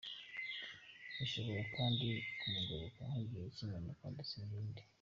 Ishobora kandi kumugoboka nk’igihe cy’impanuka ndetse n’ibindi”.